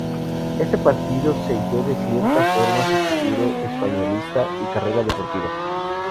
Este partido selló de cierta forma su futuro españolista y carrera deportiva.